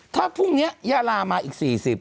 ถ้าพรุ่งนี้ยาลามาอีก๔๐